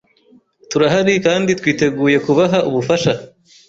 turahari kandi twiteguye kubaha ubufasha.